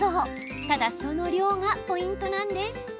ただ、その量がポイントなんです。